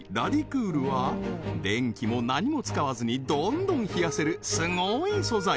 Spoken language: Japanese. クールは電気も何も使わずにどんどん冷やせるスゴい素材